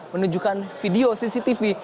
menunjukkan video cctv